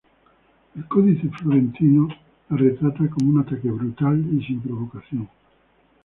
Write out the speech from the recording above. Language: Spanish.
El Códice Florentino la retrata como un ataque brutal y sin provocación.